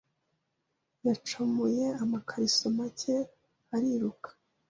Yacomuye amakariso make ariruka